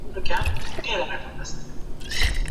که انلاین زده کړه وي ناسته اوږده وي.